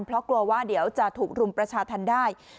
เพราะกลัวว่าเดี๋ยวจะถูกรุมประชาธรรมได้